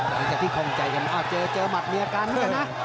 อยากจะที่คงใจกันอ้าวเจอหมัดเมียกันเหมือนกันนะ